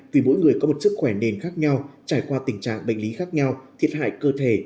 vì mỗi người có một sức khỏe nền khác nhau trải qua tình trạng bệnh lý khác nhau thiệt hại cơ thể